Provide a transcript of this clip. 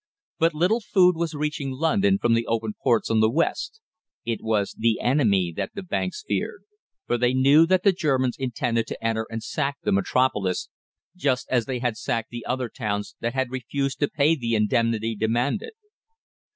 But little food was reaching London from the open ports on the west. It was the enemy that the banks feared, for they knew that the Germans intended to enter and sack the Metropolis, just as they had sacked the other towns that had refused to pay the indemnity demanded.